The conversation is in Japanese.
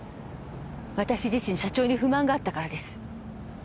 私自身社長に不満があったからです。